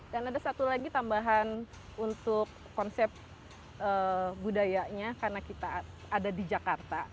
dan ada satu lagi tambahan untuk konsep budayanya karena kita ada di jakarta